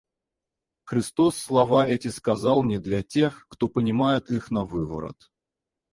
Христос слова эти сказал не для тех, кто понимает их навыворот.